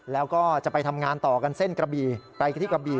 แล้วก็จะไปทำงานต่อกันเส้นกระบี่